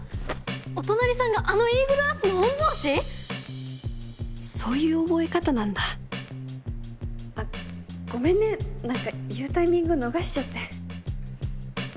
お隣さんがあのイーグルアースの御曹司⁉そういう覚え方なんだあっごめんね何か言うタイミング逃しちゃって。